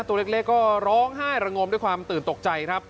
ตัวเล็กก็ร้องไห้ระงมด้วยความตื่นตกใจครับ